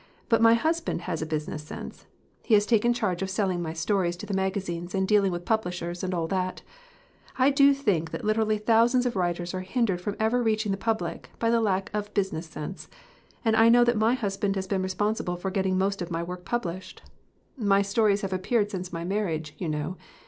"But my husband has a business sense. He has taken charge of selling my stories to the magazines and dealing with publishers and all of that. I do think that literally thousands of writers are hindered from ever reaching the public by the lack of business sense. And I know that my husband has been responsible for getting most of my work published. My stories have appeared since my marriage, you know.